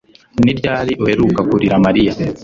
Ni ryari uheruka kurira Mariya